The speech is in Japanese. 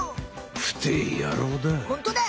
ふてえやろうだ。